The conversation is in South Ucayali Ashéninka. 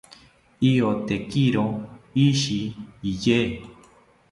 itoetakiro ishi iye